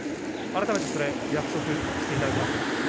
改めてそれ、約束していただけますね。